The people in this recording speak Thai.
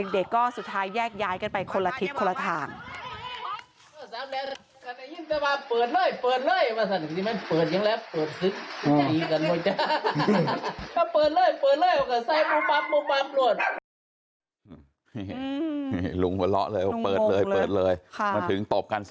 เด็กก็สุดท้ายแยกย้ายกันไปคนละทิศคนละทาง